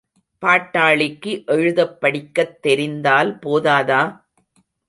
பாட்டாளிக்கு எழுதப் படிக்கத் தெரிந்தால் போதாதா?